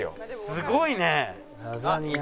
すごいねえ！